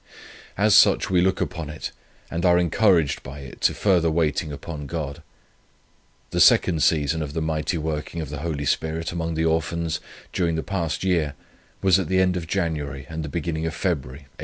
As such we look upon it, and are encouraged by it to further waiting upon God. The second season of the mighty working of the Holy Spirit among the Orphans, during the past year, was at the end of January and the beginning of February, 1860.